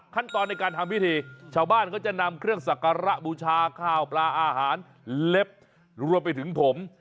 ขั้นตอนในการทำพิธีชาวบ้านเขาจะนำเครื่องสักการะบูชาข้าวปลาอาหารเล็บรวมไปถึงผม